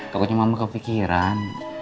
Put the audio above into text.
pokoknya mama kepikiran